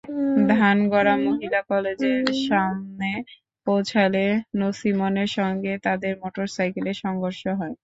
ধানগড়া মহিলা কলেজের সামনে পৌঁছালে নছিমনের সঙ্গে তাদের মোটরসাইকেলের সংঘর্ষ হয়।